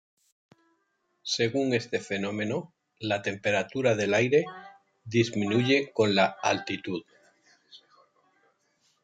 Según este fenómeno, la temperatura del aire disminuye con la altitud.